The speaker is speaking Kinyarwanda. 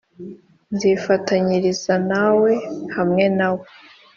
nzifatanyiriza nawe hamwe nawe